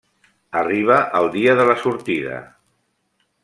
Arriba el dia de la sortida.